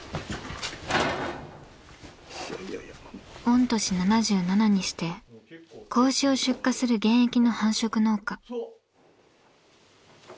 御年７７にして子牛を出荷する現役の繁殖農家。